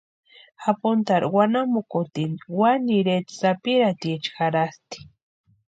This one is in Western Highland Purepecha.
Japuntarhu wanamukutini wani ireta sapirhatiecha jarhasti.